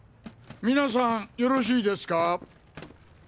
皆さんよろしいですか？